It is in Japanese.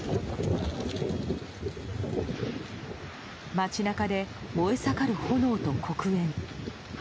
街中で、燃え盛る炎と黒煙。